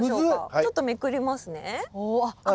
ちょっとめくりますね。